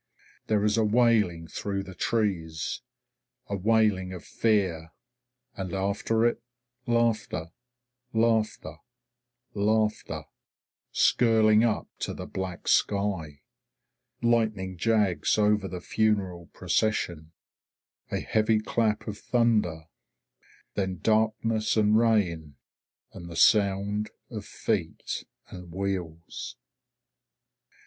There is a wailing through the trees, a wailing of fear, and after it laughter laughter laughter, skirling up to the black sky. Lightning jags over the funeral procession. A heavy clap of thunder. Then darkness and rain, and the sound of feet and wheels.